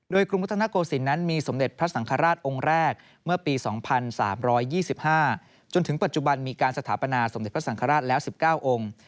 โดยกรุงวัฒนโกศิลปนั้นมีสมเด็จพระสังฆราชองค์แรกเมื่อปี๒๓๒๕จนถึงปัจจุบันมีการสถาปนาสมเด็จพระสังฆราชแล้ว๑๙องค์